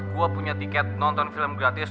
gue punya tiket nonton film gratis